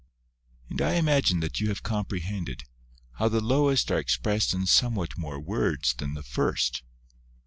And I imagine that you have comprehended, how the lowest are expressed in some what more words than the first.